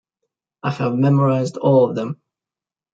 I have memorized all of them.